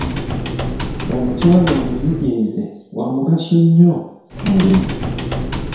Omukyala omuyigirize wa mugaso nnyo ku mulimu.